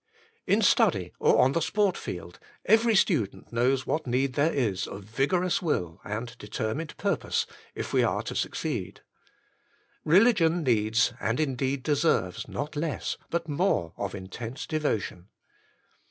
In study or on the sport field every student knows what need there is of vigorous will and determined purpose if we are to succeed. Eeligion needs, and indeed deserves, not less but more of intense devo tion.